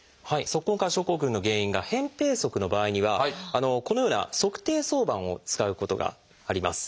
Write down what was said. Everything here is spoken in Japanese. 足根管症候群の原因が扁平足の場合にはこのような「足底挿板」を使うことがあります。